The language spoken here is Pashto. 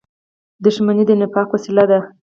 • دښمني د نفاق وسیله ده.